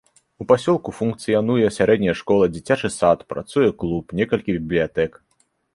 У пасёлку функцыянуе сярэдняя школа, дзіцячы сад, працуе клуб, некалькі бібліятэк.